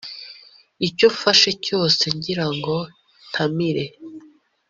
icyo mfashe cyose ngirango ntamire